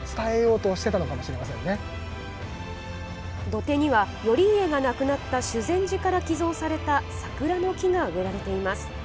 土手には頼家が亡くなった修善寺から寄贈された桜の木が植えられています。